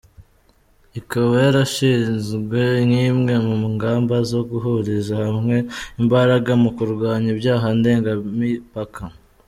Ikaba yarashinzwe nk’imwe mu ngamba zo guhuriza hamwe imbaraga mu kurwanya ibyaha ndengamipaka.